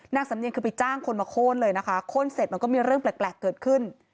นางสำเนียงคือไปจ้างคนมาโค้นเลยนะคะโค้นเสร็จมันก็มีเรื่องแปลกเกิดขึ้น